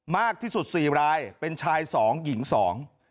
มากที่สุดสี่รายเป็นชายสองหญิงสอง